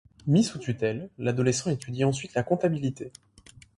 Mis sous tutelle, l’adolescent étudie ensuite la comptabilité.